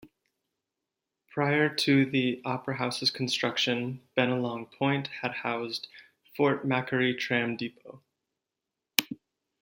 Prior to the Opera House's construction, Bennelong Point had housed Fort Macquarie Tram Depot.